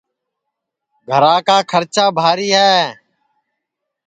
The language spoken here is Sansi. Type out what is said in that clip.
گھرا کا کھرچا بھاری ہے